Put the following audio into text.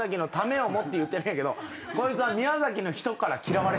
こいつは。